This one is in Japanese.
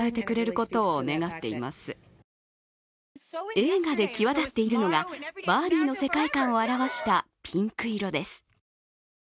映画で際立っているのがバービーの世界観を表したピンク色です。